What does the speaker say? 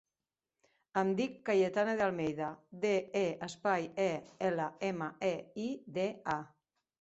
Em dic Cayetana De Almeida: de, e, espai, a, ela, ema, e, i, de, a.